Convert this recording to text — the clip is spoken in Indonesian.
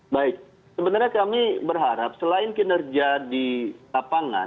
baik sebenarnya kami berharap selain kinerja di lapangan